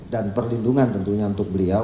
dan perlindungan tentunya untuk beliau